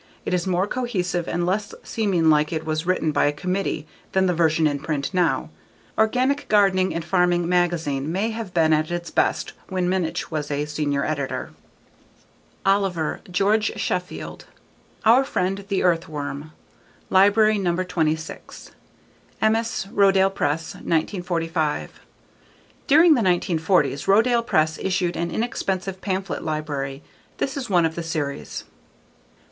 It is more cohesive and less seeming like it was written by a committee than the version in print now. _Organic Gardening and Farming _magazine may have been at its best when Minnich was a senior editor. Oliver, George Sheffield. _Our Friend the Earthworm. _Library no. 26. Emmaus: Rodale Press, 1945. During the 1940s Rodale Press issued an inexpensive pamphlet library; this is one of the series.